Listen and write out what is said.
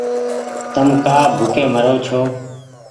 تم ڪآ ڀوڪي مرو ڇو